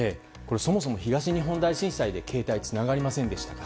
そもそも東日本大震災で携帯がつながりませんでした。